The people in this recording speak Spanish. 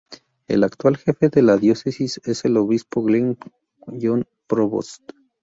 El actual jefe de la Diócesis es el Obispo Glen John Provost.